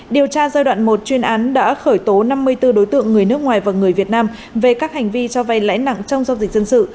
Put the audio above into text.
điều tra giai đoạn một chuyên án đã khởi tố năm mươi bốn đối tượng người nước ngoài và người việt nam về các hành vi cho vay lãi nặng trong giao dịch dân sự